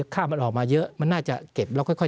ค่ามันออกมาเยอะมันน่าจะเก็บแล้วค่อย